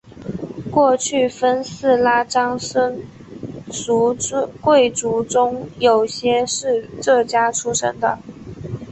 过去分寺拉章僧俗贵族中有些是这家出生的。